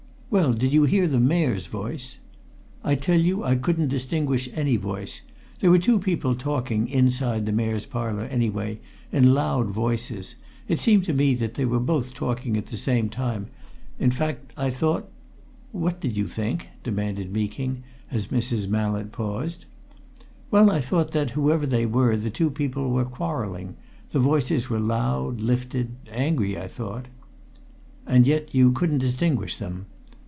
"Well, did you hear the Mayor's voice?" "I tell you I couldn't distinguish any voice. There were two people talking inside the Mayor's Parlour, anyway, in loud voices. It seemed to me that they were both talking at the same time in fact, I thought " "What did you think?" demanded Meeking, as Mrs. Mallett paused. "Well, I thought that, whoever they were, the two people were quarrelling the voices were loud, lifted, angry, I thought." "And yet you couldn't distinguish them?"